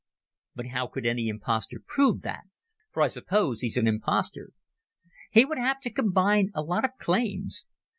"But how could any impostor prove that? For I suppose he's an impostor." "He would have to combine a lot of claims.